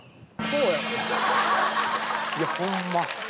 いやホンマ。